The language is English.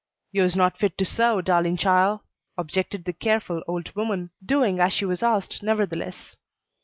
"You's not fit to sew, darlin' chile," objected the careful old woman, doing as she was asked, nevertheless.